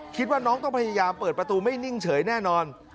คิดว่าน้องต้องพยายามเปิดประตูไม่นิ่งเฉยแน่นอน